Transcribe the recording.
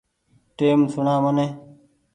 ٽئيم سوڻآ مني ۔